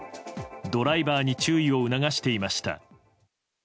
ドライバーに注意を促していました。